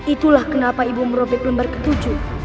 itulah kenapa ibu merobek lembar ketujuh